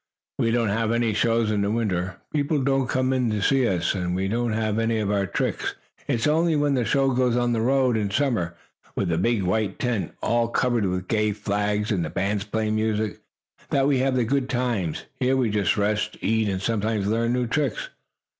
We don't have any shows in winter. The people don't come in to see us, and we don't do any of our tricks. It is only when the show goes on the road in summer, with the big white tent, all covered with gay flags, and the bands playing music, that we have the good times. Here we just rest, eat, and sometimes learn new tricks."